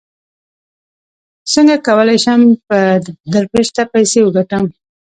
څنګه کولی شم په درپشخه پیسې وګټم